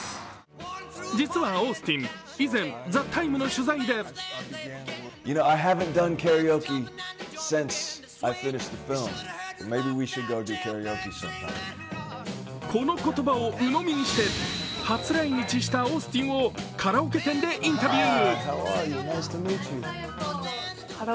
実はオースティン、以前「ＴＨＥＴＩＭＥ，」の取材でこの言葉をうのみにして、初来日したオースティンをカラオケ店でインタビュー。